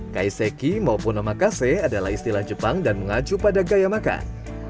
kaiseki maupun omakase adalah istilah jepang dan mengacu pada gaya makan